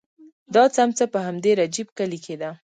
دا څمڅه په همدې رجیب کلي کې ده.